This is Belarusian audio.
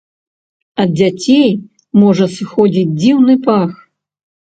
Ад дзяцей можа сыходзіць дзіўны пах.